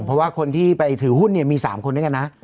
เพราะว่าคนที่ไปถือหุ้นเนี่ยมี๓คนด้วยกันนะ